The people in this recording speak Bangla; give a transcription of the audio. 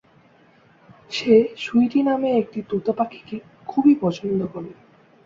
সে সুইটি নামের একটি তোতা পাখিকে খুবই পছন্দ করে।